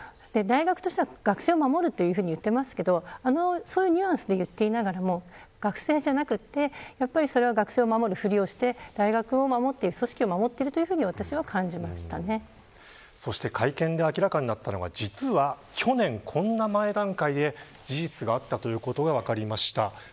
大学としては学生を守るというふうに言っていますがそういうニュアンスで言っていながら学生じゃなくて学生を守るふりをして大学を守っている組織を守っているというふうにそして、会見で明らかになったのは実は去年こんな前段階で事実があったということが分かりました。